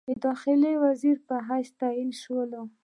داخله وزیر په حیث تعین شول.